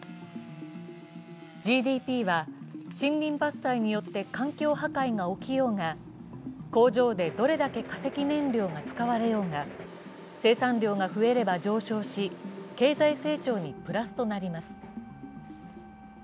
ＧＤＰは森林伐採によって環境破壊が起きようが、工場でどれだけ化石燃料が使われようが、生産量が増えれば上昇し経済成長にプラスとなります。